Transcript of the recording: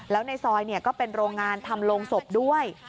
แล้วในซอยก็เป็นโรงงานทำโรงศพด้วย